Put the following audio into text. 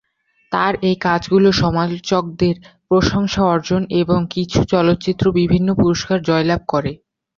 তার এই কাজগুলো সমালোচকদের প্রশংসা অর্জন এবং কিছু চলচ্চিত্র বিভিন্ন পুরস্কার জয়লাভ করে।